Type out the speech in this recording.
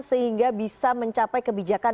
sehingga bisa mencapai kebijakan